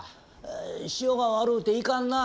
潮が悪うていかんなあ。